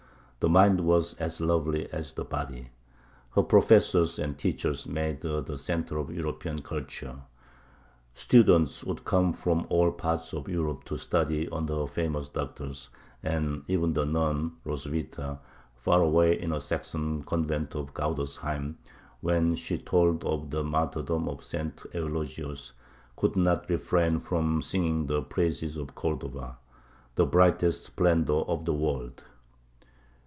The mind was as lovely as the body. Her professors and teachers made her the centre of European culture; students would come from all parts of Europe to study under her famous doctors, and even the nun Hroswitha, far away in her Saxon convent of Gaudersheim, when she told of the martyrdom of St. Eulogius, could not refrain from singing the praises of Cordova, "the brightest splendour of the world."